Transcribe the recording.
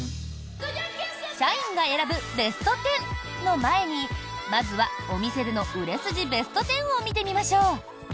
社員が選ぶベスト１０の前にまずはお店での売れ筋ベスト１０を見てみましょう。